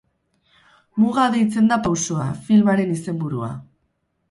Muga deitzen da pausoa, filmaren izenburua.